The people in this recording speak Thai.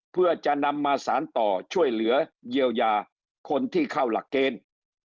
เพื่อจะนำมาสารต่อช่วยเหลือเยียวยาคนที่เข้าหลักเกณฑ์